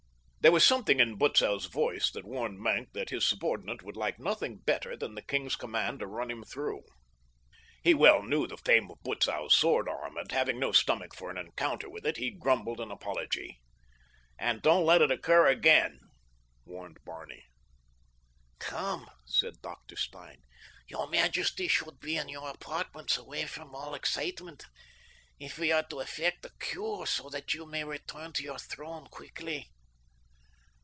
There was something in Butzow's voice that warned Maenck that his subordinate would like nothing better than the king's command to run him through. He well knew the fame of Butzow's sword arm, and having no stomach for an encounter with it he grumbled an apology. "And don't let it occur again," warned Barney. "Come," said Dr. Stein, "your majesty should be in your apartments, away from all excitement, if we are to effect a cure, so that you may return to your throne quickly."